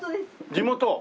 地元？